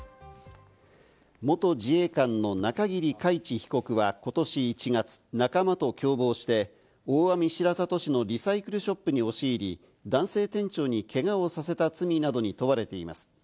元自衛官の中桐海知被告はことし１月、仲間と共謀して、大網白里市のリサイクルショップに押し入り、男性店長にけがをさせた罪などに問われています。